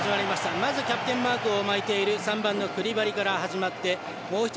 まず、キャプテンマークを巻いているクリバリから始まりました。